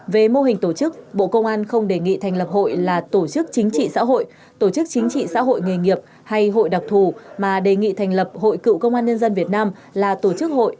về mô hình tổ chức bộ công an không đề nghị thành lập hội là tổ chức chính trị xã hội tổ chức chính trị xã hội nghề nghiệp hay hội đặc thù mà đề nghị thành lập hội cựu công an nhân dân việt nam là tổ chức hội